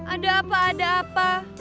ada apa ada apa